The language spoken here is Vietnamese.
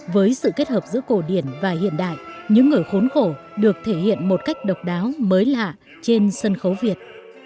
với sự kết hợp giữa cổ điển và hiện đại những người khốn khổ được thể hiện một cách độc đáo mới lạ trên sân khấu việt